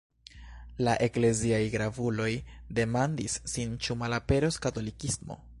La ekleziaj gravuloj demandis sin ĉu malaperos katolikismo.